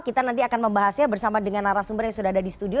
kita nanti akan membahasnya bersama dengan narasumber yang sudah ada di studio